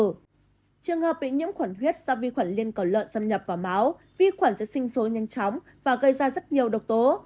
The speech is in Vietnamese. trường hợp bị nhiễm khuẩn huyết do vi khuẩn liên có lợn xâm nhập vào máu vi khuẩn sẽ sinh số nhanh chóng và gây ra rất nhiều độc tố